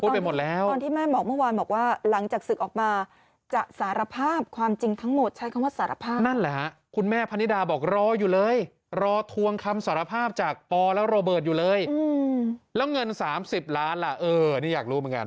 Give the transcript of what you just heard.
ปอแล้วโรเบิร์ตอยู่เลยอืมแล้วเงินสามสิบล้านล่ะเออนี่อยากรู้เหมือนกัน